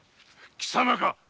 貴様か。